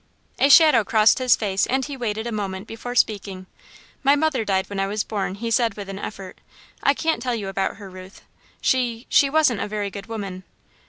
A shadow crossed his face and he waited a moment before speaking. "My mother died when I was born," he said with an effort. "I can't tell you about her, Ruth, she she wasn't a very good woman."